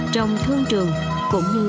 trong thương trường cũng như